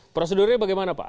prosedurnya bagaimana pak